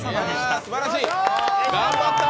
すばらしい、頑張った。